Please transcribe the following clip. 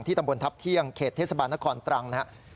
ตำบลทัพเที่ยงเขตเทศบาลนครตรังนะครับ